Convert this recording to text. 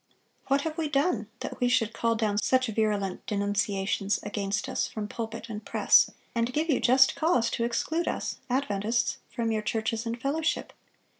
What have we done that should call down such virulent denunciations against us from pulpit and press, and give you just cause to exclude us [Adventists] from your churches and fellowship?"